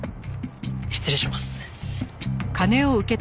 失礼します。